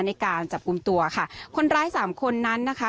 ในการจับกลุ่มตัวค่ะคนร้ายสามคนนั้นนะคะ